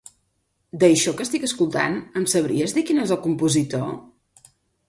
D'això que estic escoltant, em sabries dir quin és el compositor?